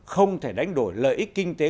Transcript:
không thể đánh đổi lợi ích kinh tế